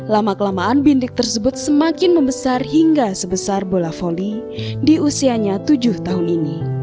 lama kelamaan bintik tersebut semakin membesar hingga sebesar bola voli di usianya tujuh tahun ini